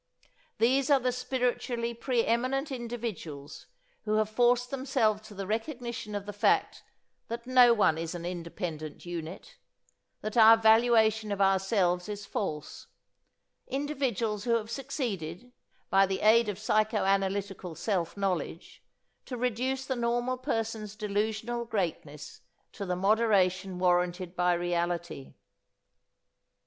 These are the spiritually pre eminent individuals who have forced themselves to the recognition of the fact that no one is an independent unit, that our valuation of ourselves is false, individuals who have succeeded, by the aid of psychoanalytic self knowledge, to reduce the normal person's delusional greatness to the moderation warranted by reality.